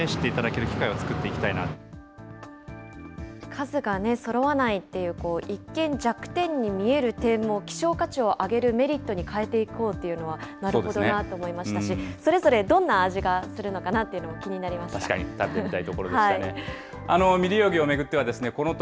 数がそろわないっていう一見、弱点に見える点も、希少価値を上げるメリットに変えていこうというのは、なるほどなと思いましたし、それぞれどんな味がするのかなっていうのが気になりました。